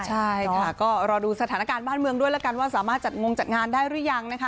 ใช่ค่ะก็รอดูสถานการณ์บ้านเมืองด้วยแล้วกันว่าสามารถจัดงงจัดงานได้หรือยังนะคะ